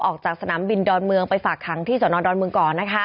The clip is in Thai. ออกจากสนามบินดอนเมืองไปฝากขังที่สนดอนเมืองก่อน